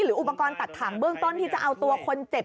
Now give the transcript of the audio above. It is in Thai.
อุปกรณ์ตัดถังเบื้องต้นที่จะเอาตัวคนเจ็บ